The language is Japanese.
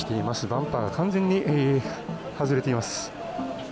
バンパーが完全に外れています。